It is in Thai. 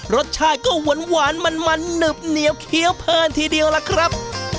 รสชาติก็หวานมันหนึบเหนียวเคี้ยวเพลินทีเดียวล่ะครับ